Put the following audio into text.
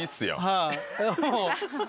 はい。